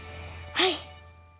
はい！